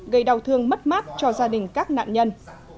gây đau thương mất mát cho gia đình các nạn nhân